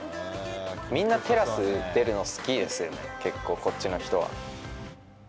みんなテラス出るの好きですよね、結構、こっちの人は。